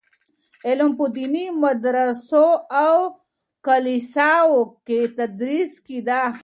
علم په ديني مدرسو او کليساوو کي تدريس کيده.